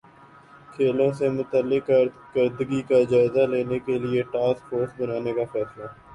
کھیلوں سے متعلق کارکردگی کا جائزہ لینے کیلئے ٹاسک فورس بنانے کا فیصلہ